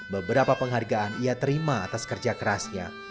beberapa penghargaan ia terima atas kerja kerasnya